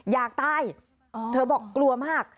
อยากตายเธอบอกกลัวมาก